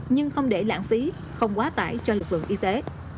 nhưng không để lãng phí không quá tải cho lực lượng y tế